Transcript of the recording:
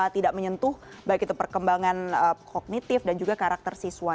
tidak menyentuh baik itu perkembangan kognitif dan juga karakter siswa